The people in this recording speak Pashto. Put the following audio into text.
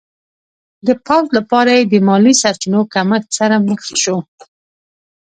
د پوځ لپاره یې د مالي سرچینو کمښت سره مخ شو.